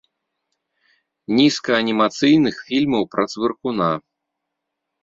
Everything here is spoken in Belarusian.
Нізка анімацыйных фільмаў пра цвыркуна.